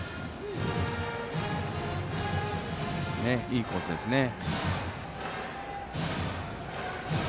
いいコースですね。